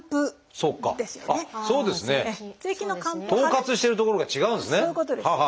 そうですね。統括してるところが違うんですね。